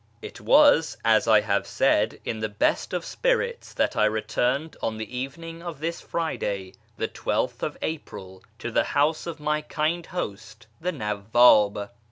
It was, as I have said, in the best of spirits that I returned on the evening of this Friday, the 12th of April, to the house of my kind host the Nawwab.